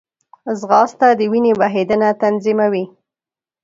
ځغاسته د وینې بهېدنه تنظیموي